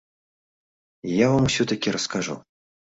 Я вам усё-такі раскажу.